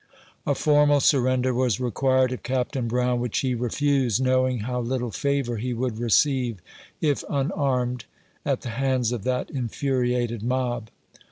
A formal surrender was required of Captain Brown, which he refused, knowing how little favor he would receive, if unarmed, at the hands of that infuriated mob.